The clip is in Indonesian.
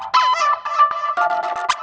kau mau kemana